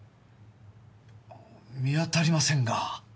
見当たりませんが。